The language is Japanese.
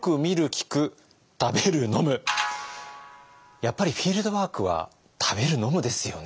やっぱりフィールドワークは「たべる・のむ」ですよね。